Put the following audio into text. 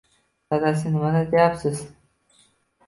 Dadasi nimalar deyapsiz